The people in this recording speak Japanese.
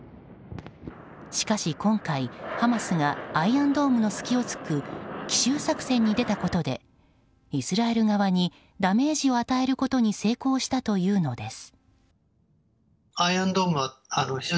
しかし今回、ハマスがアイアンドームの隙を突く奇襲作戦に出たことでイスラエル側にダメージを与えることに成功したというのです。